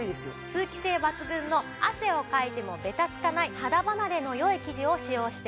通気性抜群の汗をかいてもべたつかない肌離れのよい生地を使用しています。